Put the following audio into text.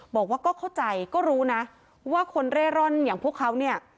บอกว่าก็เข้าใจก็รู้นะว่าคนเร่ร่อนอย่างพวกเขาเนี่ย